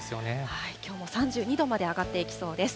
きょうも３２度まで上がっていきそうです。